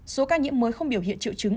số ca nhiễm mới không biểu hiện triệu chứng